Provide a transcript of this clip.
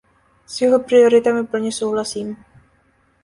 S jeho prioritami plně souhlasím.